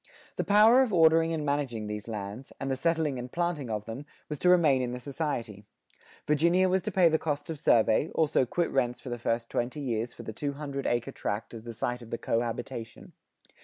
The power of ordering and managing these lands, and the settling and planting of them, was to remain in the society. Virginia was to pay the cost of survey, also quit rents for the first twenty years for the two hundred acre tract as the site of the "co habitation."